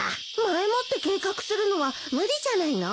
前もって計画するのは無理じゃないの？